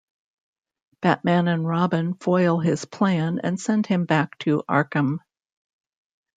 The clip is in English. Batman and Robin foil his plan and send him back to Arkham.